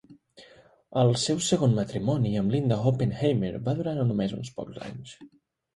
El seu segon matrimoni, amb Linda Oppenheimer, va durar només uns pocs anys.